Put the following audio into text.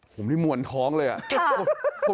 ผมนี่มวลท้องเลยอ่ะ